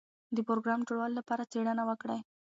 د پروګرام جوړولو لپاره څېړنه وکړئ.